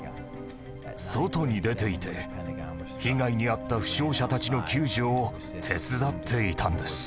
外に出ていて被害に遭った負傷者たちの救助を手伝っていたんです。